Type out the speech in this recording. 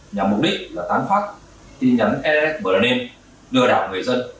nhằm mục đích là tán phát tin nhắn nsbn lừa đảo người dân